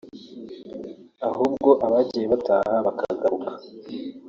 Ahubwo Abagiye bataha bakagaruka